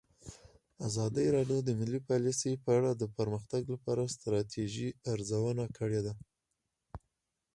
ازادي راډیو د مالي پالیسي په اړه د پرمختګ لپاره د ستراتیژۍ ارزونه کړې.